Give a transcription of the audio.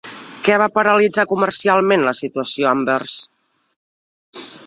Què va paralitzar comercialment la situació a Anvers?